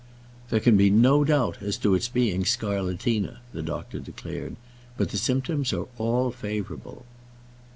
"There can be no doubt as to its being scarlatina," the doctor declared; "but the symptoms are all favourable."